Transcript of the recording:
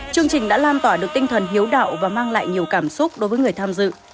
chương trình đã lan tỏa được tinh thần hiếu đạo và mang lại nhiều cảm xúc đối với người tham dự